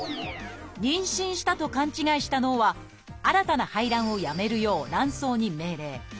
妊娠したと勘違いした脳は新たな排卵をやめるよう卵巣に命令。